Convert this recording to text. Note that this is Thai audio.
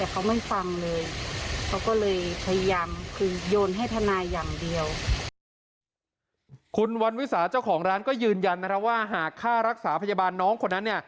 คุณวันวิสาเจ้าของร้านก็ยืนยันว่าหากค่ารักษาพยาบาลน้องคนนั้น